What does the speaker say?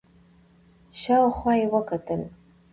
شاو خوا يې وکتل.